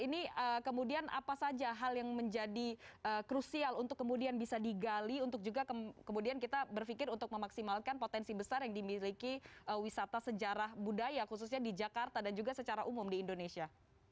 ini kemudian apa saja hal yang menjadi krusial untuk kemudian bisa digali untuk juga kemudian kita berpikir untuk memaksimalkan potensi besar yang dimiliki wisata sejarah budaya khususnya di jakarta dan juga secara umum di indonesia